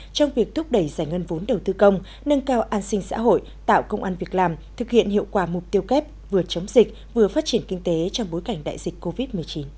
trong việc thúc đẩy giải ngân vốn đầu tư công nâng cao an sinh xã hội tạo công an việc làm thực hiện hiệu quả mục tiêu kép vừa chống dịch vừa phát triển kinh tế trong bối cảnh đại dịch covid một mươi chín